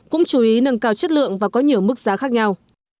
cũng chú ý nâng cao chất lượng và có nhiều mức giá khác nhau